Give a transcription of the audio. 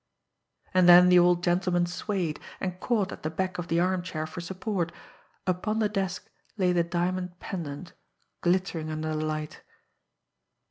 And then the old gentleman swayed, and caught at the back of the armchair for support upon the desk lay the diamond pendant, glittering under the light.